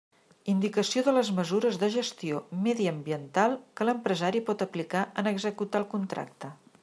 Indicació de les mesures de gestió mediambiental que l'empresari pot aplicar en executar el contracte.